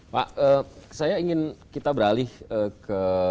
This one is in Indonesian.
pak saya ingin kita beralih ke